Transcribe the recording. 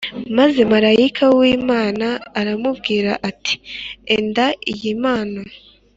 Maze malayika w’Imana aramubwira ati Enda iyi mpano